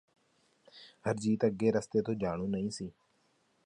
ਹਰਜੀਤ ਅੱਗੇ ਰਸਤੇ ਤੋਂ ਜਾਣੂ ਨਹੀਂ ਸੀ